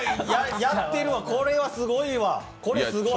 やってるわ、これはすごいわ、これすごい。